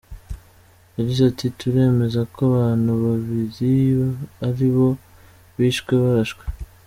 yagize ati"Turemeza ko abantu babiri ari bo bishwe barashwe.